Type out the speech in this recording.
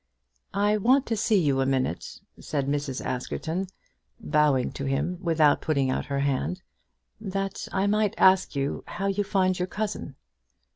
"I want to see you a minute," said Mrs. Askerton, bowing to him without putting out her hand, "that I might ask you how you find your cousin."